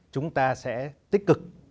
chúng ta sẽ tích cực